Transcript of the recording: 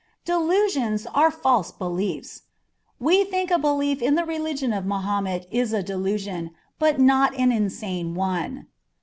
Delusions are false beliefs. We think a belief in the religion of Mahomet is a delusion, but not an insane one.